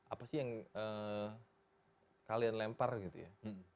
apa sih yang kalian lempar gitu ya